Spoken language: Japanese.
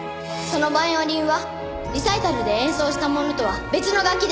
そのバイオリンはリサイタルで演奏したものとは別の楽器です。